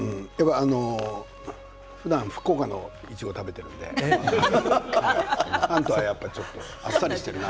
ふだん、福岡のいちごを食べているんで関東はちょっとあっさりしているかな。